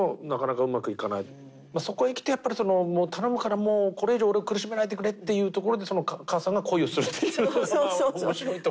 そこへきてやっぱりその「頼むからもうこれ以上俺を苦しめないでくれ」っていうところで母さんが恋をするっていうのは面白いところでは。